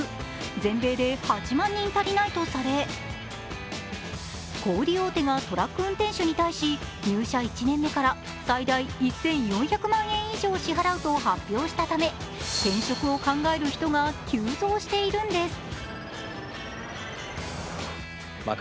全米で８万人足りないとされ小売大手がトラック運転手に対し入社１年目から最大１４００万円以上支払うと発表したため転職を考える人が急増しているんです。